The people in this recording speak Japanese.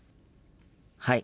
はい。